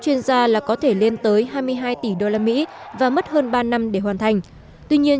chuyên gia là có thể lên tới hai mươi hai tỷ usd và mất hơn ba năm để hoàn thành tuy nhiên